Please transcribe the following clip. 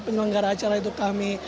penyelenggara acara itu kami